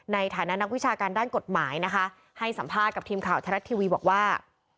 ในฐานะนักวิชาการด้านกฎหมายให้สัมภาษณ์กับทีมข่าวธรรมชาติทวีบอกว่า